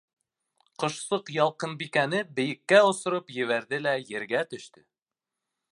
Ҡошсоҡ Ялҡынбикәне бейеккә осороп ебәрҙе лә ергә төштө.